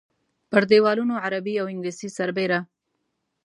پر دیوالونو عربي او انګلیسي سربېره.